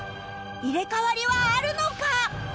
入れ替わりはあるのか？